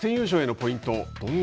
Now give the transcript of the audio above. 逆転優勝へのポイント